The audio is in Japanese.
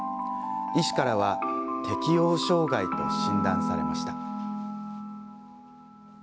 医師からは適応障害と診断されました。